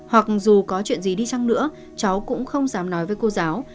hoặc dù có chuyện gì đi chăng nữa cháu cũng không dám nói với cô giáo